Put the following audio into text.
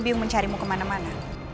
biung mencarimu kemana mana